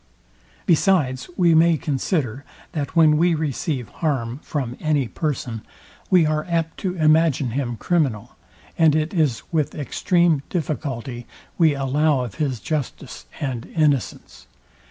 Besides we may consider, that when we receive harm from any person, we are apt to imagine him criminal, and it is with extreme difficulty we allow of his justice and innocence.